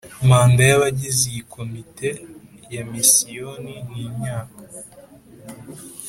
Manda y abagize iyi komite ya Misiyoni ni imyaka